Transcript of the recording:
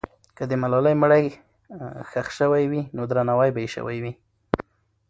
که د ملالۍ مړی ښخ سوی وي، نو درناوی به یې سوی وي.